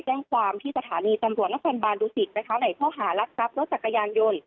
แจ้งความที่สถานีตำรวจนครบานดุสิตนะคะในข้อหารักทรัพย์รถจักรยานยนต์